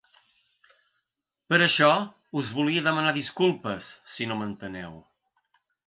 Per això us volia demanar disculpes si no m’enteneu.